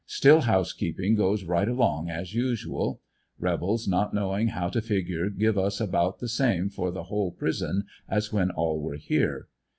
Still house keeping goes right along as usual. Rebels not knowmg how to figure give us just about the same for the whole prison as when all were here.